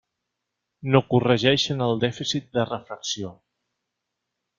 No corregeixen el dèficit de refracció.